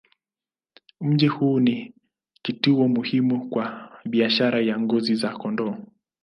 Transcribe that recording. Mji huu ni kituo muhimu kwa biashara ya ngozi za kondoo.